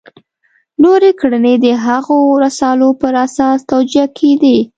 نورې کړنې د هغو رسالو پر اساس توجیه کېدې.